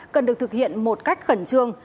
cần được thực hiện một cách khẩn trương